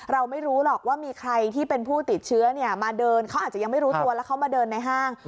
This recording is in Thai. เราไม่รู้หรอกว่ามีใครที่เป็นผู้ติดเชื้อมาเดินเขาอาจจะยังไม่รู้ตัวแล้วเขามาเดินในห้าง